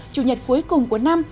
chủ nhật cuối cùng của năm